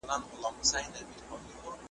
لکه پل غوندي په لار کي پاتېده دي `